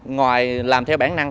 ngoài làm theo bản năng